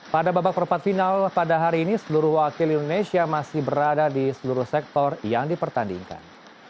pada babak perempat final pada hari ini seluruh wakil indonesia masih berada di seluruh sektor yang dipertandingkan